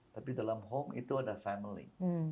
tapi dalam home itu ada family